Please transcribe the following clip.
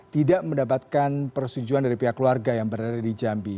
tidak mendapatkan persetujuan dari pihak keluarga yang berada di jambi